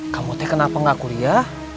kamu teh kenapa nggak kuria